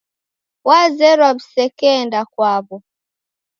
Wazerwa w'isekeenda kwaw'o.